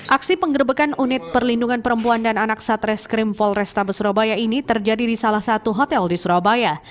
aksi penggerbekan unit perlindungan perempuan dan anak satreskrim polrestabes surabaya ini terjadi di salah satu hotel di surabaya